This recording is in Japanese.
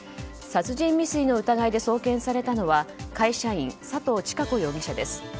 殺人未遂の疑いで送検されたのは会社員、佐藤千加子容疑者です。